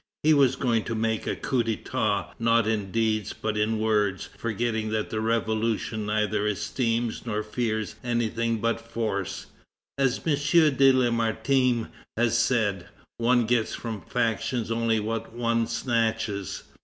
He was going to make a coup d'état, not in deeds, but in words, forgetting that the Revolution neither esteems nor fears anything but force. As M. de Larmartime has said: "One gets from factions only what one snatches."